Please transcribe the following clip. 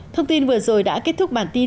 thông tin vừa rồi đã kết thúc bản tin